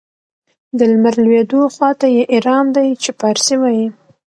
د لمر لوېدو خواته یې ایران دی چې پارسي وايي.